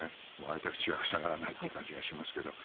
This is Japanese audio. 開いた口が塞がらないという感じがしますけど。